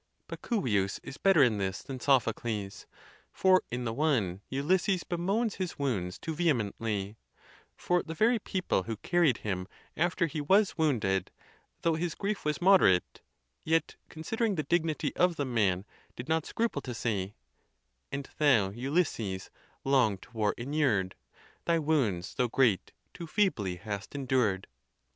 Pacuvius is better in this than Sophocles, for in the one Ulysses bemoans his wounds too vehemently; for the very people who carried him after he was wounded, though his grief was moderate, yet, considering the dignity of the man, did not scruple to say, And thou, Ulysses, long to war inured, Thy wounds, though great, too feebly hast endured.